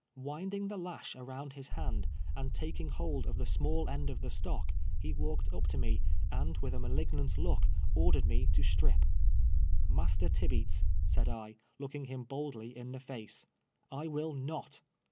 AVindingthe lash around his hand, and taking hold of the small end of the stock, he walked up to me, and with a nuUignant look, ordered me to strip. " Master Tibeats, said I, looking him boldly in the face, " I will not.''